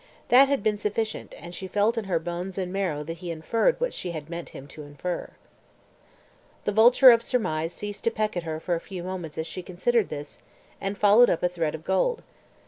That had been sufficient, and she felt in her bones and marrow that he inferred what she had meant him to infer. ... The vulture of surmise ceased to peck at her for a few moments as she considered this, and followed up a thread of gold.